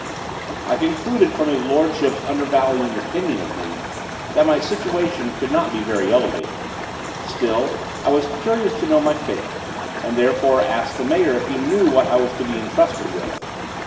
I concluded from his lordship's undervaluing opinion of me, that my situation could not be very elevated; still, I was curious to know my fate, and therefore asked the mayor if he knew what I was to be entrusted with.